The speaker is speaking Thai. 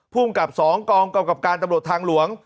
ภูมิกับสองกองกรรมกรรมการตำรวจทางหลวง